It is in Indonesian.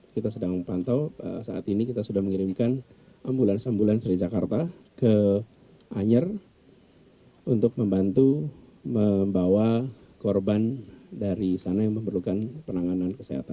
kita sedang pantau saat ini kita sudah mengirimkan ambulans ambulans dari jakarta ke anyer untuk membantu membawa korban dari sana yang memerlukan penanganan kesehatan